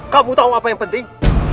kamu tahu apa yang penting